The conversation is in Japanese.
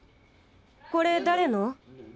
これ誰の？